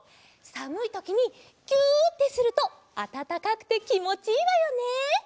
さむいときにぎゅってするとあたたかくてきもちいいわよね！